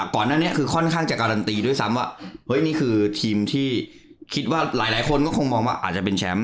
ก่อนหน้านี้คือค่อนข้างจะการันตีด้วยซ้ำว่าเฮ้ยนี่คือทีมที่คิดว่าหลายคนก็คงมองว่าอาจจะเป็นแชมป์